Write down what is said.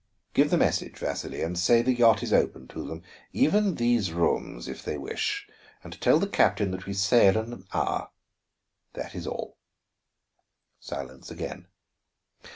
"Give the message, Vasili, and say the yacht is open to them; even these rooms, if they wish. And tell the captain that we sail in an hour. That is all." Silence again.